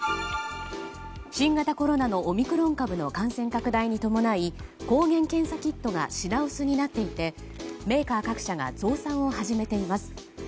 新型コロナのオミクロン株の感染拡大に伴い抗原検査キットが品薄になっていてメーカー各社が増産を始めています。